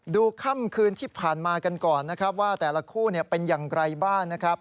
ดูค่ำคืนที่ผ่านมากันก่อนว่าแต่ละคู่เป็นอย่างไรบ้าง